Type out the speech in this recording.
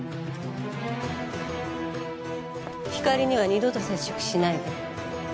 ひかりには二度と接触しないで。